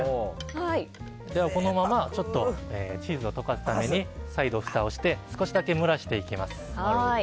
このままチーズを溶かすために再度、ふたをして少しだけ蒸らしていきます。